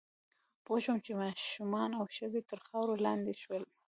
پوه شوم چې ماشومان او ښځې تر خاورو لاندې شول